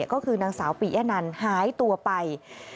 ก็คือนางสาวปียะนันหายตัวไป